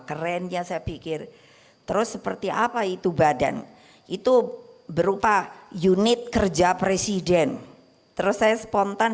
kerennya saya pikir terus seperti apa itu badan itu berupa unit kerja presiden terus saya spontan